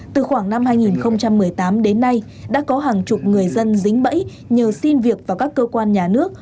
từ khoảng năm hai nghìn một mươi tám đến nay đã có hàng chục người dân dính bẫy nhờ xin việc vào các cơ quan nhà nước